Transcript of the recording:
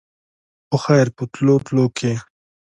خو خېر په تلو تلو کښې